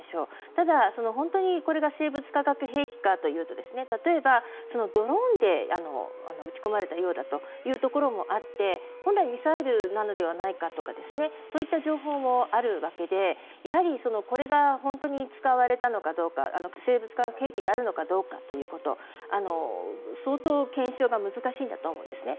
ただ、これが本当に生物・化学兵器かというと例えばドローンで撃ち込まれたようだというところもあって本来はミサイルなのではないかとかそういった情報もあるわけでこれが本当に使われたのかどうか生物・化学兵器であるのかどうかということ相当、検証が難しいんだと思うんですね。